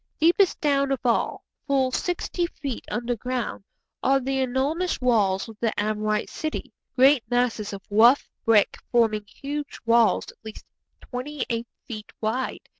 Deepest down of all, full sixty feet underground, are the enormous walls of the Amorite city; great masses of rough brick forming huge walls at least twenty eight feet wide.